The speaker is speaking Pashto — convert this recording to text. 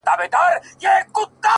وه ه ژوند به يې تياره نه وي ـ